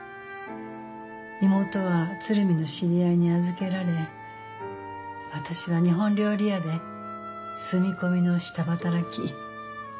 妹は鶴見の知り合いに預けられ私は日本料理屋で住み込みの下働き。